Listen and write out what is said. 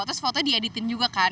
terus foto nya di editin juga kan